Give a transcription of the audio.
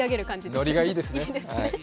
ノリがいいですね。